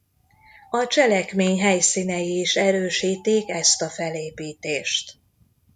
A cselekmény helyszínei is erősítik ezt a felépítést.